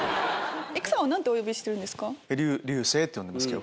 育さんは何てお呼びしてるんですか？